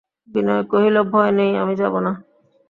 বিনয় কহিল, ভয় নেই, আমি যাব না।